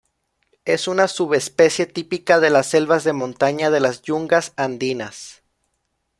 Es una subespecie típica de las selvas de montaña de las yungas andinas.